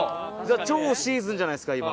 超シーズンじゃないですか今。